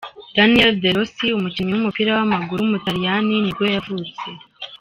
Daniel De Rossi, umukinnyi w’umupira w’amaguru w’umutaliyani nibwo yavutse.